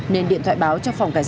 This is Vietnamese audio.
nên điện thoại báo cho phòng cảnh sát